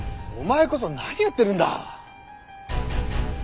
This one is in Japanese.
お前こそ何やってるんだ？